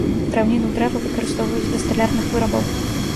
Драўніну дрэва выкарыстоўваюць для сталярных вырабаў.